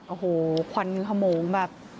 โอ้โหควันขโมงแบบ